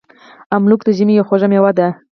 املوک د ژمي یوه خوږه میوه ده.